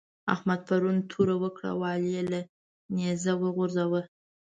احمد پرون توره وکړه او علي يې له نېزه وژغوره.